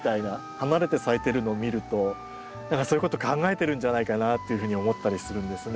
離れて咲いてるのを見るとそういうこと考えてるんじゃないかなっていうふうに思ったりするんですね。